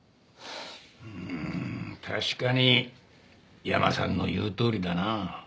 うーん確かに山さんの言うとおりだな。